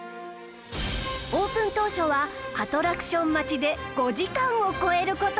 オープン当初はアトラクション待ちで５時間を超える事も